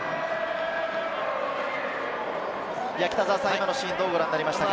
今のシーン、どうご覧になりましたか？